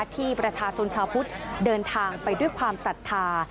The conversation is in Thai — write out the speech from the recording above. ที่ประชาชนชาวพุทธเดินทางไปด้วยความศรัทธา